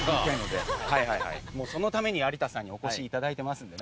もうそのために有田さんにお越し頂いてますのでね